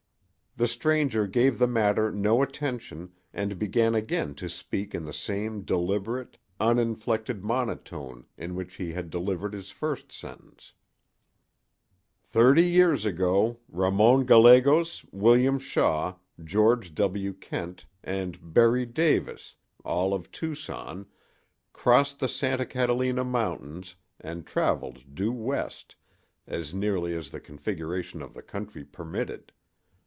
The stranger gave the matter no attention and began again to speak in the same deliberate, uninflected monotone in which he had delivered his first sentence: "Thirty years ago Ramon Gallegos, William Shaw, George W. Kent and Berry Davis, all of Tucson, crossed the Santa Catalina mountains and traveled due west, as nearly as the configuration of the country permitted.